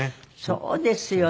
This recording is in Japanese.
そうですよ。